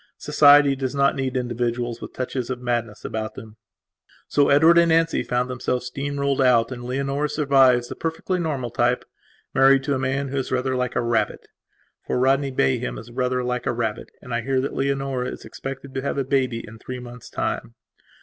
Society does not need individuals with touches of madness about them. So Edward and Nancy found themselves steamrolled out and Leonora survives, the perfectly normal type, married to a man who is rather like a rabbit. For Rodney Bayham is rather like a rabbit, and I hear that Leonora is expected to have a baby in three months' time.